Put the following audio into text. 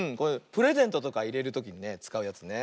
プレゼントとかいれるときにねつかうやつね